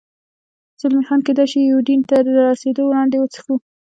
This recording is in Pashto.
زلمی خان: کېدای شي یوډین ته تر رسېدو وړاندې، وڅښو.